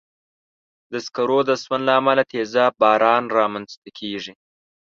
د سکرو د سون له امله تېزاب باران رامنځته کېږي.